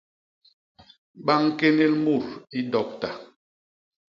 Ba ñkénél mut i dokta.